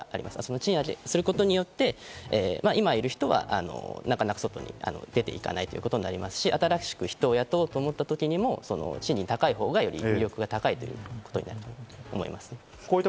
賃上げすることによって今いる人はなかなか外に出て行かないということになりますし、新しく人を雇おうと思った時にも賃金が高いほうがより意欲が高いということになります。